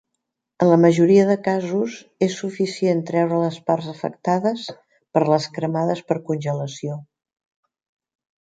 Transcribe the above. En la majoria de casos, és suficient treure les parts afectades per les cremades per congelació.